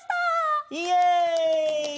イエイ！